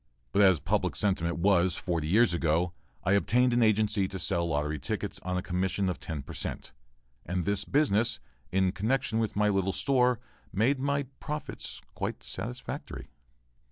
But as public sentiment was forty years ago, I obtained an agency to sell lottery tickets on a commission of ten per cent, and this business, in connection with my little store, made my profits quite satisfactory.